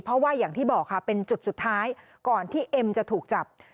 เพราะว่าอย่างที่บอกค่ะเป็นจุดสุดท้ายก่อนที่เอ็มจะถูกจับ